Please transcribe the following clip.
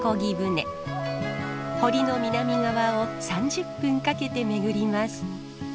堀の南側を３０分かけて巡ります。